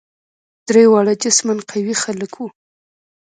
درې واړه جسما قوي خلک وه.